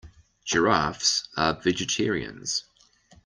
Giraffes are vegetarians.